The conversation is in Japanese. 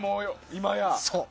今や。